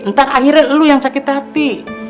entah akhirnya lu yang sakit hati